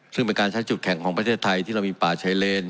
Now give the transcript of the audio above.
ซึ่งเป็นการใช้จุดแข่งของประเทศไทยที่เรามีป่าชายเลน